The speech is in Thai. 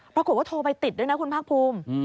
โทรไปติดด้วยนะคุณภาคภูมิ